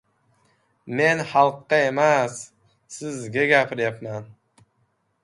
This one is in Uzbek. — Men xalqqa emas, sizga gapirayapman!